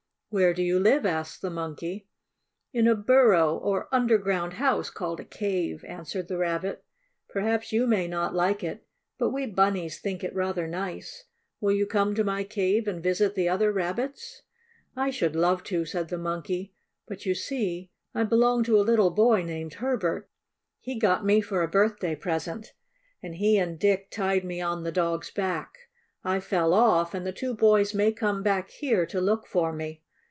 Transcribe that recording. "Where do you live?" asked the Monkey. "In a burrow, or underground house, called a cave," answered the Rabbit. "Perhaps you may not like it, but we Bunnies think it rather nice. Will you come to my cave, and visit the other Rabbits?" "I should love to," said the Monkey. "But you see I belong to a little boy named Herbert. He got me for a birthday present, and he and Dick tied me on the dog's back. I fell off and the two boys may come back here to look for me.